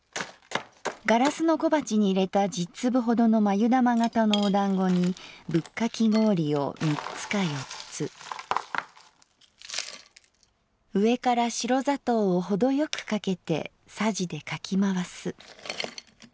ガラスの小鉢にいれた十粒ほどのまゆだま型のおだんごにブッカキ氷を三つか四つ上から白砂糖をほどよくかけて匙でかきまわす」。